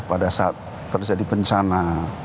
pada saat terjadi bencana